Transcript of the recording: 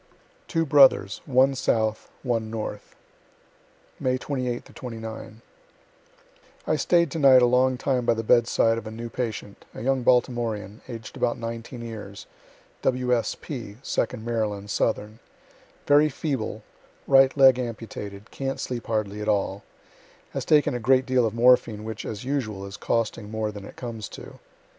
TWO BROTHERS, ONE SOUTH, ONE NORTH May 28 9. I staid to night a long time by the bedside of a new patient, a young Baltimorean, aged about 19 years, W. S. P., (2d Maryland, southern,) very feeble, right leg amputated, can't sleep hardly at all has taken a great deal of morphine, which, as usual, is costing more than it comes to.